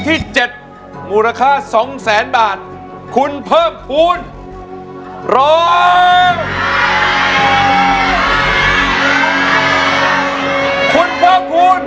โปรดติดตามตอนต่อไป